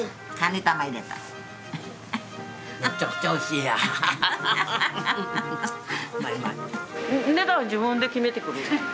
値段自分で決めてくる。